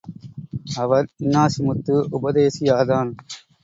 அவர் Innasimuthu உபதேசியார்தான்.